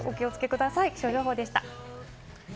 気象情報でした。